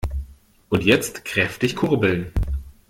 Und jetzt kräftig kurbeln!